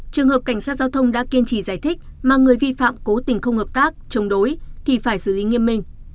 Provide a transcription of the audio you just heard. trường hợp cảnh sát giao thông đã kiên trì giải thích mà người vi phạm cố tình không hợp tác chống đối thì phải xử lý nghiêm minh